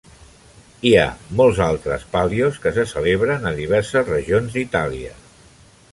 Hi ha molts altes palios que se celebren a diverses regions d'Itàlia.